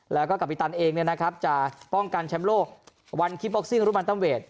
แล้วก็กับอีตันเองเนี่ยนะครับจะป้องกันแชมป์โลกวันคลิปบอกซิ่งรุ่นบันทึ่มเวท